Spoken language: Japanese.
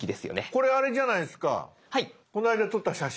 これあれじゃないですかこの間撮った写真。